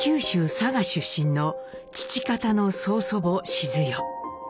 佐賀出身の父方の曽祖母シズヨ。